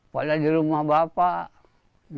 pada di rumah bapak